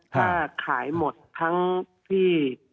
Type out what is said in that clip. ถ้าขายหมดทั้งที่